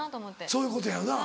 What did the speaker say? そういうことやよな。